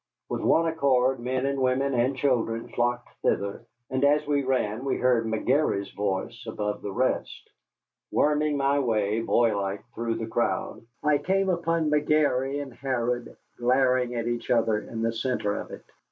With one accord men and women and children flocked thither, and as we ran we heard McGary's voice above the rest. Worming my way, boylike, through the crowd, I came upon McGary and Harrod glaring at each other in the centre of it.